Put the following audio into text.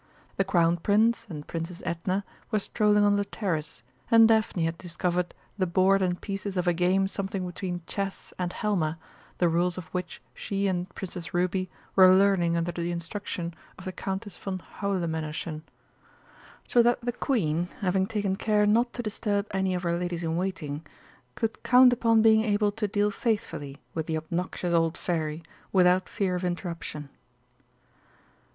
The Crown Prince and Princess Edna were strolling on the terrace, and Daphne had discovered the board and pieces of a game something between Chess and Halma, the rules of which she and Princess Ruby were learning under the instruction of the Countess von Haulemännerschen. So that the Queen, having taken care not to disturb any of her ladies in waiting, could count upon being able to deal faithfully with the obnoxious old Fairy without fear of interruption.